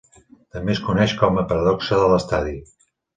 També es coneix com a Paradoxa de l'estadi.